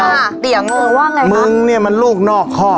แต่เตี๋ยโง่ว่าไงครับมึงเนี่ยมันลูกนอกครอบ